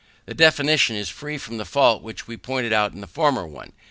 This definition is free from the fault which we pointed out in the former one.